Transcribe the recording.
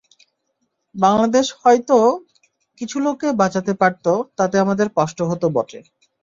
বাংলাদেশ হয়তো কিছু লোককে বাঁচাতে পারত, তাতে আমাদের কষ্ট হতো বটে।